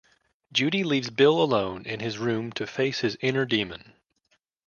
Judy leaves Bill alone in his room to face his inner demon.